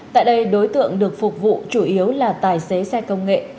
tại đây đối tượng được phục vụ chủ yếu là tài xế xe công nghệ